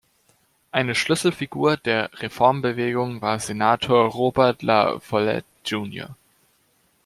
Eine Schlüsselfigur der Reformbewegung war Senator Robert La Follette Jr.